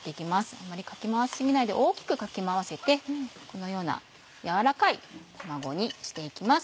あんまりかき回し過ぎないで大きくかき回してこのような軟らかい卵にして行きます。